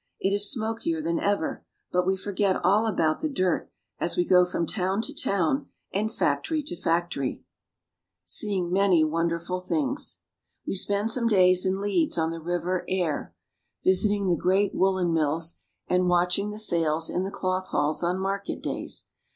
It is smokier than ever, but we forget all about the dirt as we go from town to town and from factory to factory, 58 ENGLAND. We stop at Newcastle." seeing many wonderful things. We spend some days in Leeds on the River Aire (ar), visiting the great woolen mills and watching the sales in the cloth halls on market days.